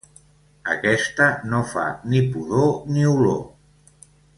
Aquesta no fa ni pudor ni olor.